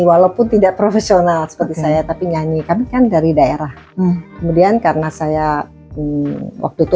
walaupun tidak profesional seperti saya tapi nyanyi kami kan dari daerah kemudian karena saya di waktu itu